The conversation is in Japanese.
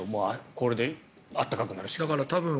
これで暖かくなるしかって。